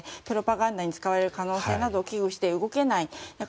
プロパガンダに使われる可能性などを危惧して動けない。